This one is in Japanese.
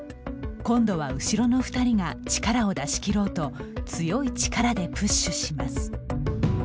今度は後ろの２人が力を出し切ろうと強い力でプッシュします。